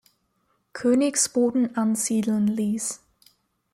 Königsboden ansiedeln ließ.